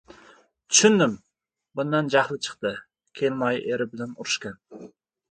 Tushundim. Bundan chiqdi, Kelinoyi eri bilan urishgan.